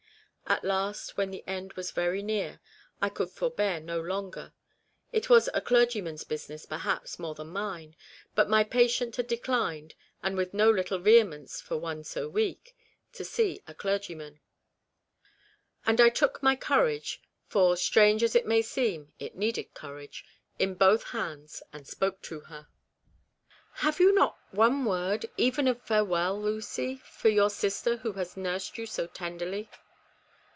At last, when the end was very near, I could for bear no longer ; it was a clergyman's business, perhaps, more than mine, but my patient had declined and with no little vehemence for one so weak to see a clergyman ; and I took my courage (for, strange as it may seem, it needed courage) in both hands, and spoke to her. REBECCAS REMORSE. 223 " Have you not one word, even of farewell, Lucy, for the sister who has nursed you so tenderly